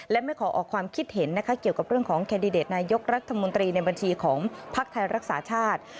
และไม่ขอออกความคิดเห็นนะคะเกี่ยวกับเรื่องของแคนดิเดตนายกรัฐมนตรีในบัญชีของภักดิ์ไทยรักษาชาติ